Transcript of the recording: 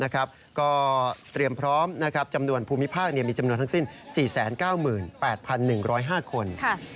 ก็เตรียมพร้อมจำนวนภูมิภาคมีจำนวนทั้งสิ้น๔๙๘๑๐๕คน